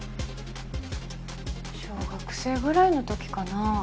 小学生ぐらいの時かな。